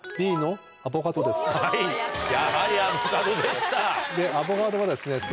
はいやはりアボカドでした。